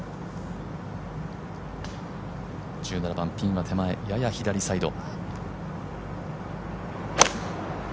１７番、ピンは手前、やや左サイド。